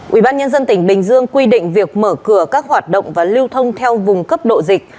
quỹ ban nhân dân tỉnh bình dương quy định việc mở cửa các hoạt động và lưu thông theo vùng cấp độ dịch